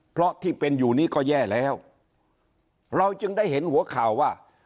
เพราะที่เป็นอยู่นี้ก็แย่แล้วเราจึงได้เห็นหัวข่าวว่า